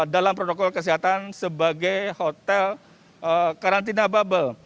dalam protokol kesehatan sebagai hotel karantina bubble